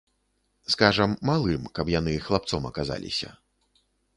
Скажам малым, каб яны хлапцом аказаліся.